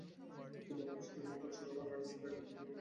কিন্তু পদ্মা সেতুর মূল কাজ শুরুর আগে প্রায় তিন গুণ ব্যয় বাড়ল।